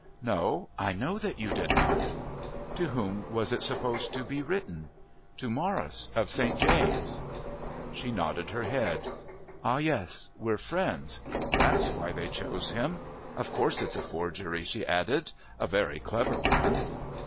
"No, I know that you did not." "To whom was it supposed to be written?" "To 'Morris of St. James'." She nodded her head. "Ah, yes. We're friends. That's why they chose him. Of course it's a forgery," she added "a very clever one."